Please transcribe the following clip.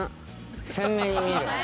鮮明に見える。